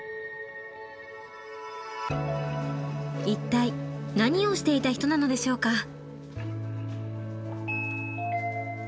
一体何をしていた人なのでしょうか？